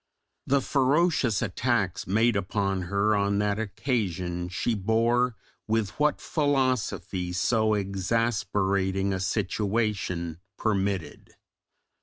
The ferocious attacks made upon her on that occasion she bore with what philosophy so exasperating a situation permitted.